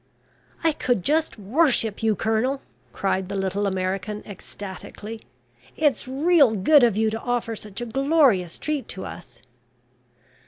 "I could just worship you, Colonel," cried the little American, ecstatically. "It's real good of you to offer such a glorious treat to us."